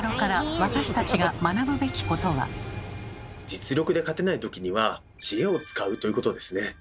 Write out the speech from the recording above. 実力で勝てないときには知恵を使うということですね。